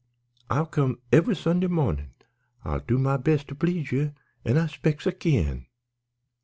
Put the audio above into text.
I'll come eve'y Sunday mawnin'. I'll do my best to please ye, an' I specs I kin."